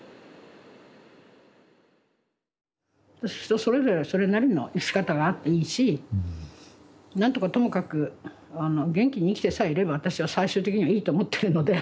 人それぞれそれなりの生き方があっていいし何とかともかくあの元気に生きてさえいれば私は最終的にはいいと思ってるので。